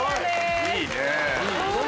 いいね。